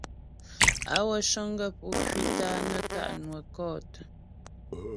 Á wə cə̀ŋ gaə̂ pú ŋkwítə a nə tá' nwə́ kɔ̂t.